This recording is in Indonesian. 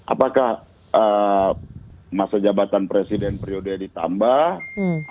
apakah masa jabatan presiden periode ditambah